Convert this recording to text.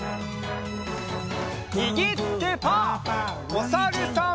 おさるさん。